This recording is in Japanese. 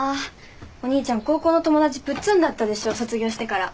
お兄ちゃん高校の友達プッツンだったでしょ卒業してから。